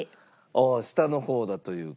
ああー下の方だという。